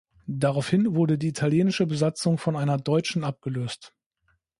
Daraufhin wurde die italienische Besatzung von einer deutschen abgelöst.